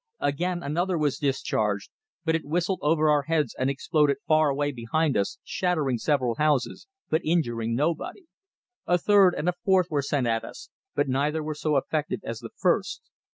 Again another was discharged, but it whistled over our heads and exploded far away behind us, shattering several houses, but injuring nobody. A third and a fourth were sent at us, but neither were so effective as the first.